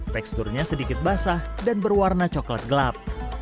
teksturnya sedikit basah dan berwarna coklat gelap